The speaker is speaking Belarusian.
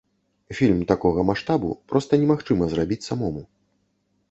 Фільм такога маштабу проста немагчыма зрабіць самому.